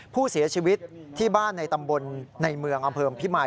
ผู้เสียชีวิตที่บ้านในตำบลในเมืองอำเภอพิมาย